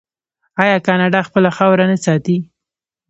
آیا کاناډا خپله خاوره نه ساتي؟